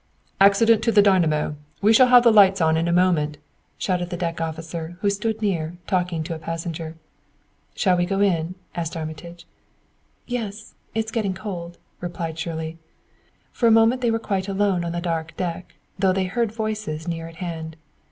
"Accident to the dynamo we shall have the lights on in a moment!" shouted the deck officer, who stood near, talking to a passenger. "Shall we go in?" asked Armitage. "Yes, it is getting cold," replied Shirley. For a moment they were quite alone on the dark deck, though they heard voices near at hand.